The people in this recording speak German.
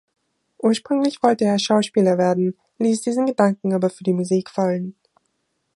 Ursprünglich wollte er Schauspieler werden, ließ diesen Gedanken aber für die Musik fallen.